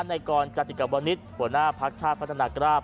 ในกรรมจัตริกบรณิตหัวหน้าพลักษณะชาติพัฒนากราศ